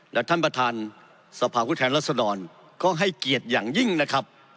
และท่านประธานสภาพุทธแทนรัศดรก็ให้เกียรติอย่างยิ่งนะครับ